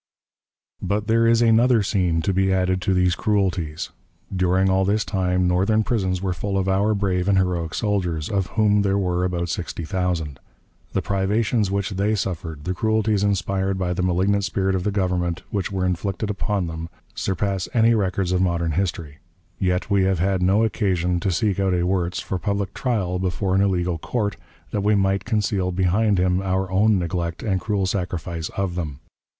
But there is another scene to be added to these cruelties. During all this time, Northern prisons were full of our brave and heroic soldiers, of whom there were about sixty thousand. The privations which they suffered, the cruelties inspired by the malignant spirit of the Government, which were inflicted upon them, surpass any records of modern history: yet we have had no occasion to seek out a Wirz for public trial before an illegal court, that we might conceal behind him our own neglect and cruel sacrifice of them.